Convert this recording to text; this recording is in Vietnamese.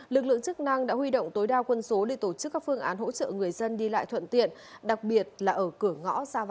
lực lượng chức năng đã huy động tối đa quân số để tổ chức các phương án hỗ trợ người dân đi lại thuận tiện